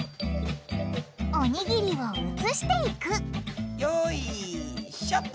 おにぎりを移していくよいしょと。